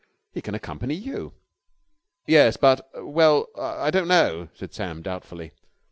He can accompany you." "Yes, but ... well, I don't know," said Sam doubtfully.